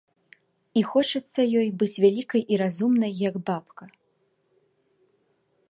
І хочацца ёй быць вялікай і разумнай, як бабка.